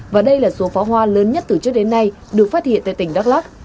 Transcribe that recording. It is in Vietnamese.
và đây là số pháo hoa lớn nhất từ trước đến nay được phát hiện tại tỉnh đắk lắc